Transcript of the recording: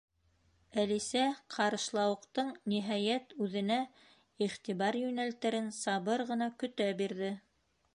Әлисә Ҡарышлауыҡтың, ниһайәт, үҙенә иғтибар йүнәлтерен сабыр ғына көтә бирҙе.